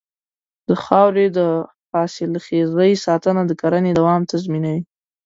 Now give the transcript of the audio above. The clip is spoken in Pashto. د خاورې د حاصلخېزۍ ساتنه د کرنې دوام تضمینوي.